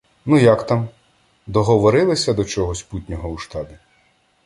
— Ну, як там? Договорилися до чогось путнього у штабі?